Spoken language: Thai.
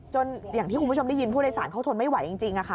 อย่างที่คุณผู้ชมได้ยินผู้โดยสารเขาทนไม่ไหวจริงค่ะ